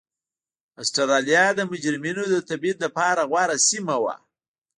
اسټرالیا د مجرمینو د تبعید لپاره غوره سیمه وه.